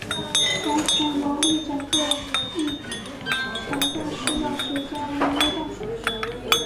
完成游历整个玉泉洞需要时间为约半小时。